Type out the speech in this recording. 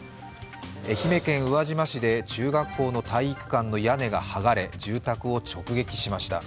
愛媛県宇和島市で中学校の体育館の屋根が剥がれ住宅を直撃しました。